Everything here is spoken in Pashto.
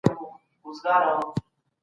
په ستونزو کې صبر او زغم ولرئ.